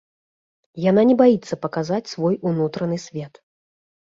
Яна не баіцца паказаць свой унутраны свет.